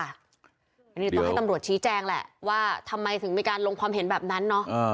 อันนี้ต้องให้ตำรวจชี้แจงแหละว่าทำไมถึงมีการลงความเห็นแบบนั้นเนาะ